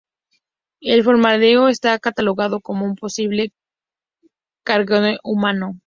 El formaldehído está catalogado como un posible carcinógeno humano.